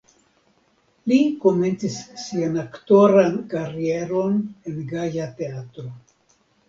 Li komencis sian aktoran karieron en Gaja Teatro.